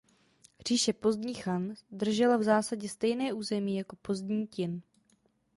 Říše Pozdní Chan držela v zásadě stejné území jako Pozdní Ťin.